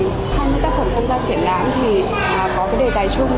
thân với tác phẩm tham gia triển lãm thì có cái đề tài chung